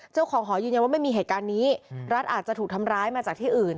เจ้าของหอยืนยันว่าไม่มีเหตุการณ์นี้รัฐอาจจะถูกทำร้ายมาจากที่อื่น